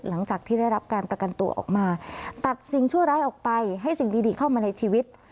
หลังจากที่ได้รับการประกันตัวออกมาตัดสิ่งชั่วร้ายออกไปให้สิ่งดีเข้ามาในชีวิต